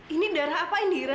ini darah apa indira